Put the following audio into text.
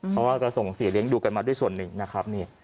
เขาก็ส่งสีเล้งดูกันมาด้วยส่วนนึงนะครับ